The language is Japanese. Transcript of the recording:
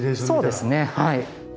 そうですねはい。